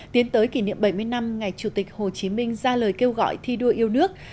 tiến tới kỷ niệm bảy mươi năm ngày chủ tịch hồ chí minh ra lời kêu gọi thi đua yêu nước